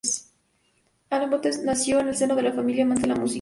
Alan Bates nació en el seno de una familia amante de la música.